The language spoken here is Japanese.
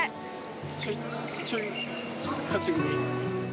ちょいちょい勝ち組。